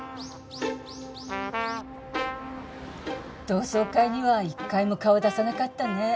同窓会には１回も顔出さなかったね。